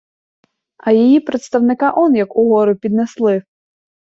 А її представника он як угору піднесли.